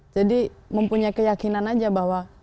jadi mempunyai keyakinan aja bahwa